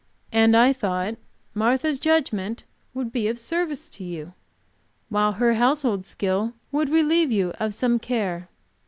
And I thought Martha's judgment would be of service to you, while her household skill would relieve you of some care.